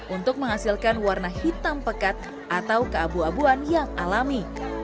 untuk menghasilkan warna hitam pekat atau keabu abuan yang alami